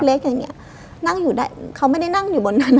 เล็กอย่างเงี้ยนั่งอยู่ได้เขาไม่ได้นั่งอยู่บนนั้น